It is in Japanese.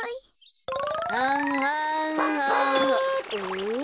お？